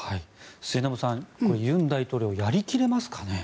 末延さん尹大統領、やり切れますかね。